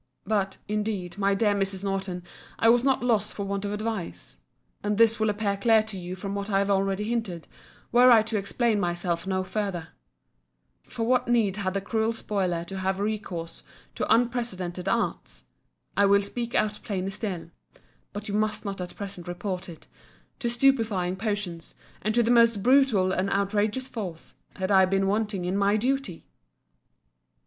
But, indeed, my dear Mrs. Norton, I was not lost for want of advice. And this will appear clear to you from what I have already hinted, were I to explain myself no further:—For what need had the cruel spoiler to have recourse to unprecedented arts—I will speak out plainer still, (but you must not at present report it,) to stupifying potions, and to the most brutal and outrageous force, had I been wanting in my duty?